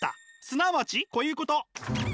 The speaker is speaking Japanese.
すなわちこういうこと。